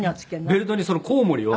ベルトにそのコウモリを。